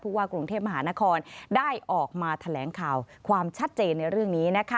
ว่ากรุงเทพมหานครได้ออกมาแถลงข่าวความชัดเจนในเรื่องนี้